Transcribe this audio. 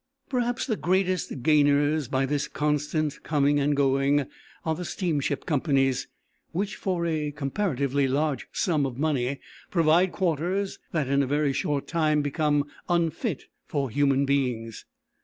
Perhaps the greatest gainers by this constant coming and going are the steamship companies, which for a comparatively large sum of money provide quarters that in a very short time become unfit for human beings.